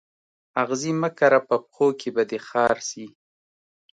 آغزي مه کره په پښو کي به دي خار سي